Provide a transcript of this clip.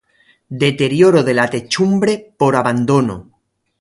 Deterioro de la techumbre por abandono.